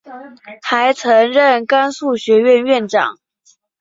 还曾任甘肃学院院长。